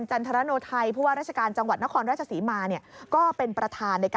หมอพรากินอะไร